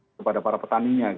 kepada para petaninya